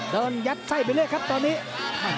เดินยัดไส้ไปเลยครับตอนนี้